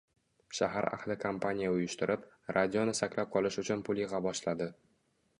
Shahar ahli kampaniya uyushtirib, radioni saqlab qolish uchun pul yig‘a boshladi